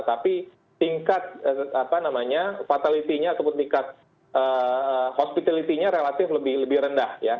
tapi tingkat fatality nya ataupun tingkat hospitality nya relatif lebih rendah ya